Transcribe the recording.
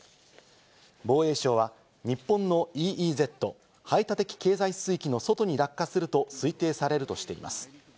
防衛省は日本のＥＥＺ＝排他的経済水域の外に落下すると推定されるとしています。